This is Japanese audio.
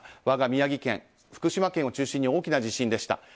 我が宮城県、福島県を中心に大きな地震でした。